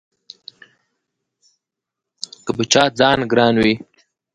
که په چا ځان ګران وي